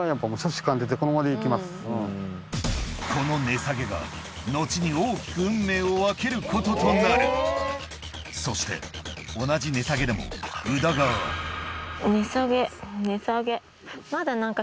この値下げが後に大きく運命を分けることとなるそして同じ値下げでも宇田川は値下げ値下げ。